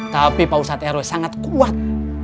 tapi pausat eroi sangat kuat